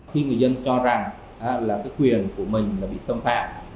khi người dân cho rằng là cái quyền của mình là bị xâm phạm